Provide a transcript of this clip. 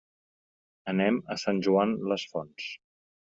Anem a Sant Joan les Fonts.